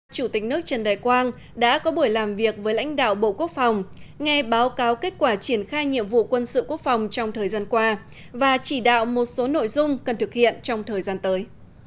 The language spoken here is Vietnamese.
chủ tịch nước trần đại quang đã có buổi làm việc với lãnh đạo bộ quốc phòng nghe báo cáo kết quả triển khai nhiệm vụ quân sự quốc phòng trong thời gian qua và chỉ đạo một số nội dung cần thực hiện trong thời gian tới